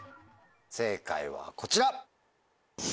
正解はこちら！